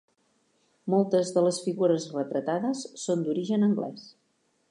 Moltes de les figures retratades són d'origen anglès.